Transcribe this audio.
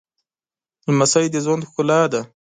لمسی د ژوند ښکلا ده